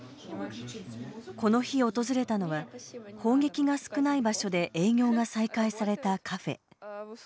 この日訪れたのは砲撃が少ない場所で営業が再開されたカフェ。